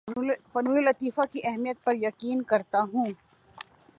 فنون لطیفہ کی اہمیت پر یقین کرتا ہوں